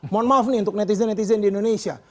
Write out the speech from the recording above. mohon maaf nih untuk netizen netizen di indonesia